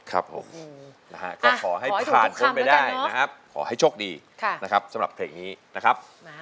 ครับผมนะฮะก็ขอให้ผ่านพ้นไปได้นะครับขอให้โชคดีนะครับสำหรับเพลงนี้นะครับ